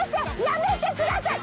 やめてください！